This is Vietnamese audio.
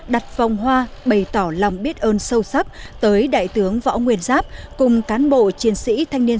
đặt vòng hoa bày tỏ lòng biết ơn sâu sắc tới đại tướng võ nguyên giáp cùng cán bộ chiến sĩ thanh niên